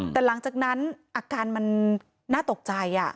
แต่หลังจากนั้นอาการมันน่าตกใจ